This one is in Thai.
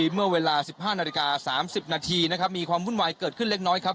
เมื่อเวลา๑๕นาฬิกา๓๐นาทีนะครับมีความวุ่นวายเกิดขึ้นเล็กน้อยครับ